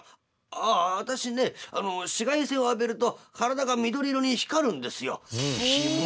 「ああ私ね紫外線を浴びると体が緑色に光るんですよ」。